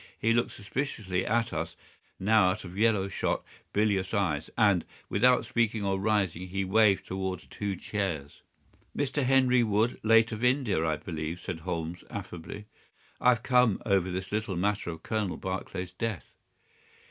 He looked suspiciously at us now out of yellow shot, bilious eyes, and, without speaking or rising, he waved towards two chairs. "Mr. Henry Wood, late of India, I believe," said Holmes, affably. "I've come over this little matter of Colonel Barclay's death."